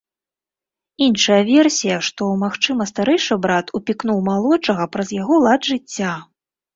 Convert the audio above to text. Іншая версія, што, магчыма, старэйшы брат упікнуў малодшага праз яго лад жыцця.